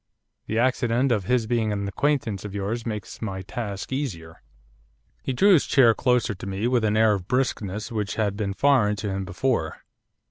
The accident of his being an acquaintance of yours makes my task easier.' He drew his chair closer to me with an air of briskness which had been foreign to him before.